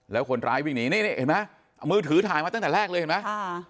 แล้วคนร้ายวิ่งหนีนี่นี่เห็นไหมเอามือถือถ่ายมาตั้งแต่แรกเลยเห็นไหม